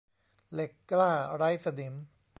เหล็กกล้าไร้สนิม